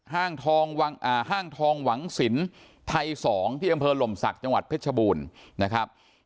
ห้างทองหวังสินไทย๒ที่อำเภอหล่มศักดิ์จังหวัดเพชรบูรณ์นะครับ